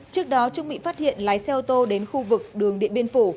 trước đó trung mỹ phát hiện lái xe ô tô đến khu vực đường điện biên phổ